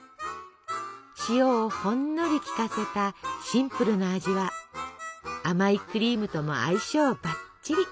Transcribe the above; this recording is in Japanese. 塩をほんのりきかせたシンプルな味は甘いクリームとも相性バッチリ！